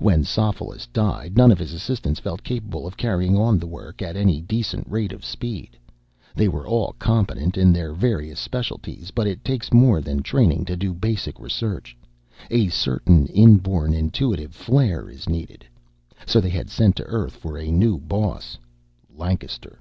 When Sophoulis died, none of his assistants felt capable of carrying on the work at any decent rate of speed. They were all competent in their various specialties, but it takes more than training to do basic research a certain inborn, intuitive flair is needed. So they had sent to Earth for a new boss Lancaster.